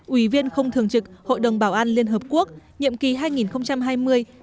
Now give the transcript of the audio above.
ủy viên không thường trực hội đồng bảo an liên hợp quốc nhiệm kỳ hai nghìn hai mươi hai nghìn hai mươi một